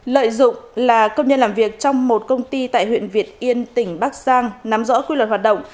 lợi dụng là công nhân làm việc trong một công ty tại huyện việt yên tỉnh bắc giang nắm rõ quy luật hoạt động